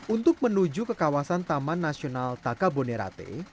untuk menuju ke kawasan taman nasional takabonerate